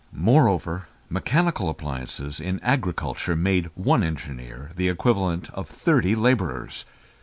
Moreover, mechanical appliances in agriculture made one engineer the equivalent of thirty labourers.